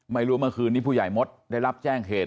ไม่รู้ว่าเมื่อคืนนี้ผู้ใหญ่มดได้รับแจ้งเหตุ